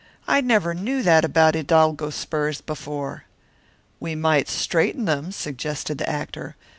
I never knew that about hidalgo spurs before." "We might straighten them," suggested the actor.